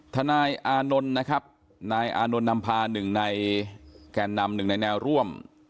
ถ้านายอานนท์นะครับนายอานนท์นำพา๑ในแก่นำ๑ในแนวร่วม